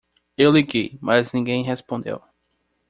Eu liguei, mas ninguém respondeu.